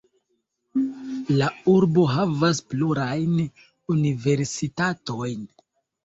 La urbo havas plurajn universitatojn.